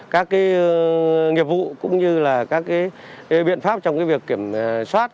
các nghiệp vụ cũng như là các biện pháp trong việc kiểm soát